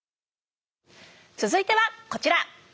続いてはこちら。